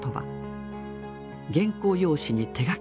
原稿用紙に手書き。